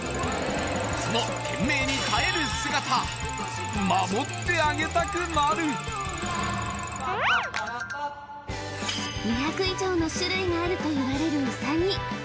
その懸命に耐える姿守ってあげたくなる２００以上の種類があるといわれるウサギ